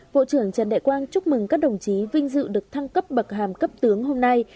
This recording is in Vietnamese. bộ trưởng trần đại quang chúc mừng các đồng chí vinh dự được thăng cấp bậc hàm cấp tướng hôm nay